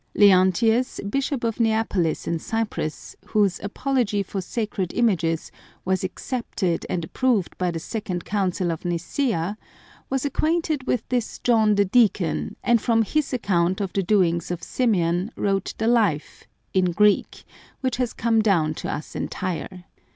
Leontius, Bishop of Neapolis in Cyprus, whose Apology for Sacred Images was accepted and approved by the Second Council of Nic^ea, was acquainted with this John the Deacon, and from his account of the doings of Symeon wrote the life, in Greek, which has come down to us entire.